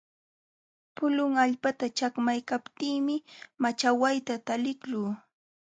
Pulun allpata chakmaykaptiimi machawayta taliqluu.